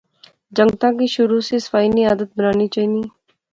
جنگتاں کی شروع سی صفائی نی عادت بنانی چاینی